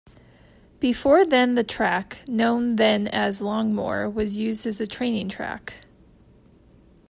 Before then the track, known then as Longmoor was used as a training track.